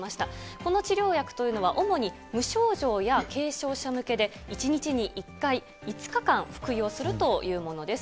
この治療薬というのは主に無症状や軽症者向けで、１日に１回、５日間服用するというものです。